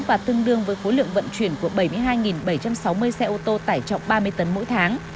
và tương đương với khối lượng vận chuyển của bảy mươi hai bảy trăm sáu mươi xe ô tô tải trọng ba mươi tấn mỗi tháng